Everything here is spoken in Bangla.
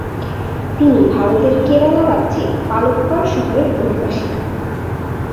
তিনি ভারতের কেরালা রাজ্যের পালক্কাড় শহরের অধিবাসী।